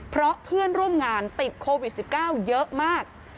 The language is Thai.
เพราะเพื่อนร่วมงานติดโควิด๑๙เยอะมาก